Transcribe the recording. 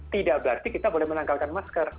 tidak berarti kita boleh menangkalkan masker